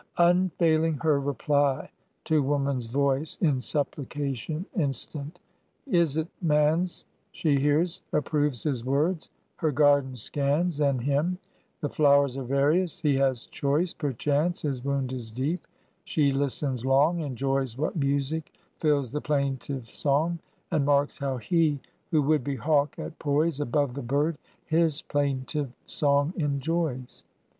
Unfailing her reply to woman's voice In supplication instant. Is it man's, She hears, approves his words, her garden scans, And him: the flowers are various, he has choice. Perchance his wound is deep; she listens long; Enjoys what music fills the plaintive song; And marks how he, who would be hawk at poise Above the bird, his plaintive song enjoys.